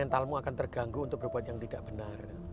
mentalmu akan terganggu untuk berbuat yang tidak benar